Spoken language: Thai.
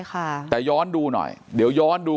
เป็นวันที่๑๕ธนวาคมแต่คุณผู้ชมค่ะกลายเป็นวันที่๑๕ธนวาคม